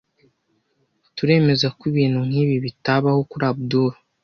Turemeza ko ibintu nkibi bitabaho kuri Abdul.